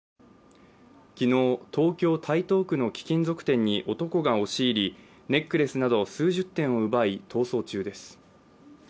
昨日、東京・台東区の貴金属店に男が押し入りネックレスなど数十点を奪い逃走中です。